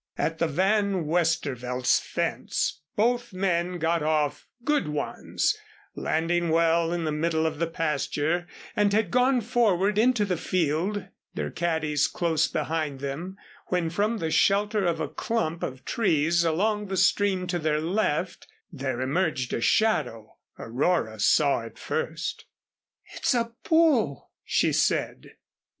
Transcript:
At the Van Westervelt's fence both men got off "good ones," landing well in the middle of the pasture and had gone forward into the field, their caddies close behind them, when from the shelter of a clump of trees along the stream to their left, there emerged a shadow. Aurora saw it first. "It's a bull," she said.